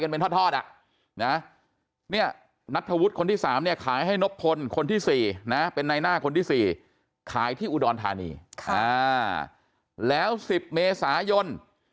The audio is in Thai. เป็นนายหน้าคนที่๔ขายที่อุดรธานีแล้ว๑๐เมษายน